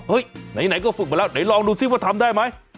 เดี๋ยวลองดูซิว่าทำได้ไหม